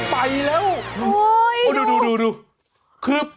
ไปไปแล้ว